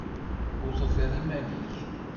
Ur tufiḍ iman-nnek.